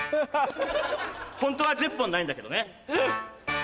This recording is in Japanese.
ホントは１０本ないんだけどね。